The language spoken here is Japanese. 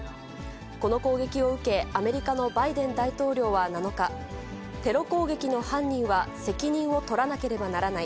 この攻撃を受け、アメリカのバイデン大統領は７日、テロ攻撃の犯人は責任を取らなければならない。